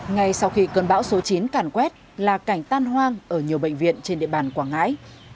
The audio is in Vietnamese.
ngay sau khi cơn bão số chín càn quét là cảnh tan hoang ở nhiều bệnh viện trên địa bàn quảng ngãi